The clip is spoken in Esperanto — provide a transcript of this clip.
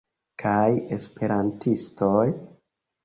kaj esperantistoj.